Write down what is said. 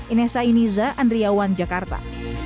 inessa yuniza andriawan jakarta